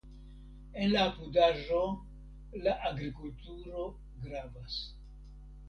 En la apudaĵo la agrikulturo gravas.